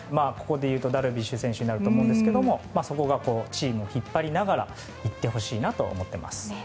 野球だとダルビッシュ選手だと思いますがそこがチームを引っ張りながら行ってほしいなと思っています。